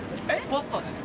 ポストです。